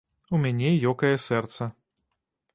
У мяне ёкае сэрца.